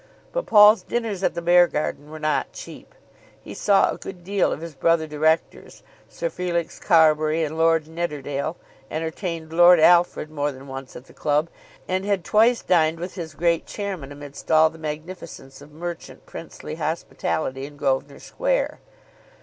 But Paul's dinners at the Beargarden were not cheap. He saw a good deal of his brother directors, Sir Felix Carbury and Lord Nidderdale, entertained Lord Alfred more than once at the club, and had twice dined with his great chairman amidst all the magnificence of merchant princely hospitality in Grosvenor Square.